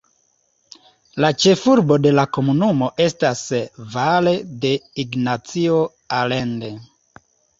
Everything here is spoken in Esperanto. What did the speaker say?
La ĉefurbo de la komunumo estas Valle de Ignacio Allende.